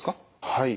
はい。